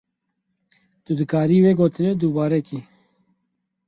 Tu dikarî wê gotinê dubare kî.